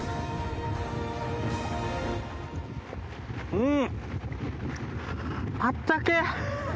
うん！